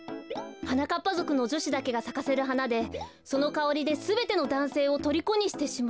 はなかっぱぞくのじょしだけがさかせるはなでそのかおりですべてのだんせいをとりこにしてしまう。